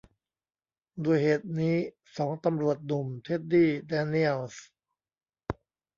ด้วยเหตุนี้สองตำรวจหนุ่ม เท็ดดี้ แดเนียลส์